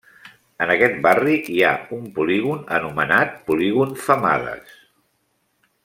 En aquest barri hi ha un polígon anomenat Polígon Femades.